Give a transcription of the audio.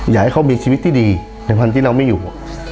อยากให้เขามีชีวิตที่ดีในวันที่เราไม่อยู่